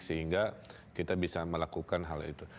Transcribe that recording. sehingga kita bisa melakukan hal itu